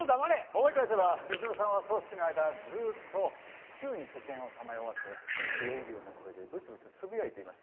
思い返せば哲郎さんは葬式の間ずっと宙に視線をさまよわせ消え入るような声でブツブツつぶやいていましたね。